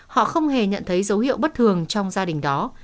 họ không hề nhận thấy dấu hiệu bất thường trong gia đình đó